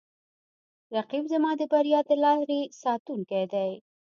رقیب زما د بریا د لارې ساتونکی دی